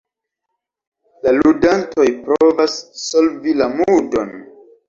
La ludantoj provas solvi la murdon.